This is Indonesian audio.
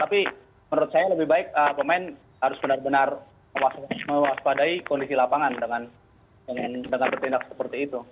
tapi menurut saya lebih baik pemain harus benar benar mewaspadai kondisi lapangan dengan bertindak seperti itu